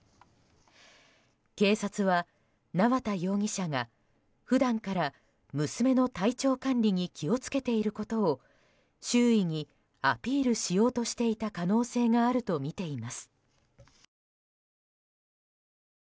警察は、縄田容疑者が普段から娘の体調管理に気を付けていることを周囲にアピールしようとしていた可能性があるとみています。